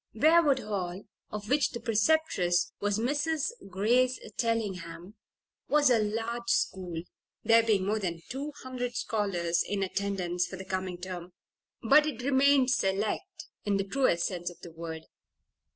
Briarwood Hall, of which the preceptress was Mrs. Grace Tellingham, was a large school (there being more than two hundred scholars in attendance for the coming term), but it remained "select" in the truest sense of the word.